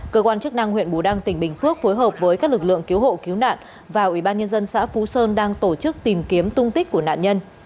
cơ quan chức năng huyện bù đăng tỉnh bình phước phối hợp với các lực lượng cứu hộ cứu nạn và ủy ban nhân dân xã phú sơn đang tổ chức tìm kiếm tung tích của nạn nhân